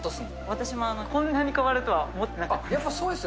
私もこんなに変わるとは思ってなかったです。